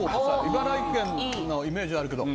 茨城県のイメージがあるけど。